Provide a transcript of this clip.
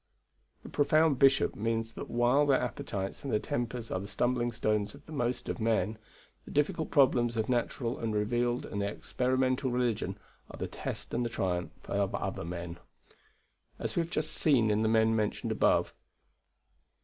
The profound bishop means that while their appetites and their tempers are the stumbling stones of the most of men, the difficult problems of natural and revealed and experimental religion are the test and the triumph of other men. As we have just seen in the men mentioned above.